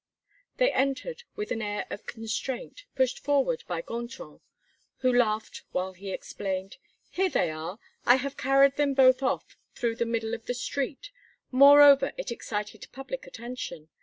They entered, with an air of constraint, pushed forward by Gontran, who laughed while he explained: "Here they are! I have carried them both off through the middle of the street. Moreover, it excited public attention.